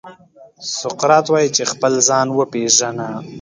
سقراط وايي چې خپل ځان وپېژنه.